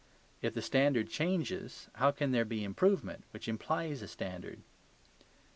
If the standard changes, how can there be improvement, which implies a standard?